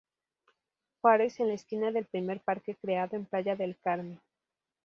Juárez, en la esquina del primer parque creado en playa del carmen.